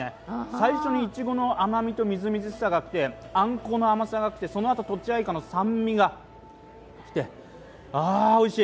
最初にいちごの甘みとみずみずしさがあってあんこの甘さがきてそのあととちあいかの酸味がきてあ、おいしい。